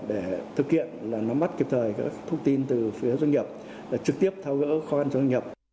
để thực hiện là nắm mắt kịp thời các thông tin từ phía doanh nghiệp trực tiếp thao gỡ khó khăn doanh nghiệp